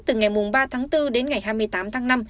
từ ngày ba tháng bốn đến ngày hai mươi tám tháng năm